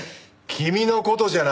君の事じゃない。